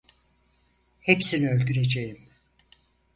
Hepsini öldüreceğim.